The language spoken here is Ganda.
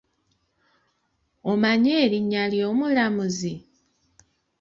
Omanyi erinnya ly'omulamuzi?